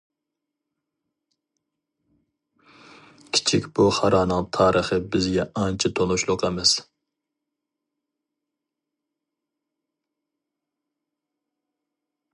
كىچىك بۇخارانىڭ تارىخى بىزگە ئانچە تونۇشلۇق ئەمەس.